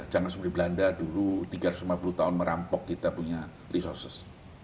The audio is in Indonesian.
jangan seperti belanda dulu tiga ratus lima puluh tahun merampok kita punya resources